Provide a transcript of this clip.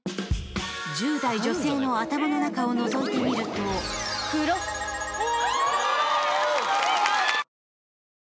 １０代女性の頭の中をのぞいてみるとうわ！